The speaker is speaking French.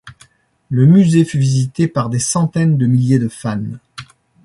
Le musée fut visité par des centaines de milliers de fans.